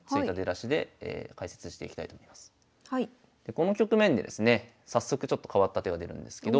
この局面でですね早速ちょっと変わった手が出るんですけど。